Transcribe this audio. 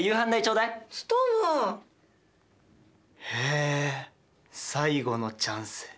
へえ最後のチャンス。